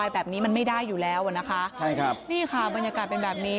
แบบนี้มันไม่ได้อยู่แล้วอ่ะนะคะใช่ครับนี่ค่ะบรรยากาศเป็นแบบนี้